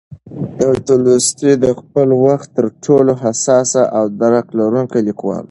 تولستوی د خپل وخت تر ټولو حساس او درک لرونکی لیکوال و.